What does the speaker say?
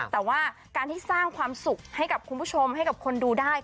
แต่ว่าการที่สร้างความสุขให้กับคุณผู้ชมให้กับคนดูได้